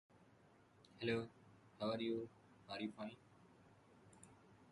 He plays for Belgian club Gent.